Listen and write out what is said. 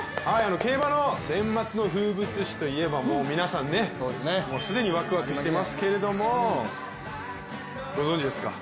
競馬の年末の風物詩といえば、皆さん既にワクワクしていますけれどもご存じですか？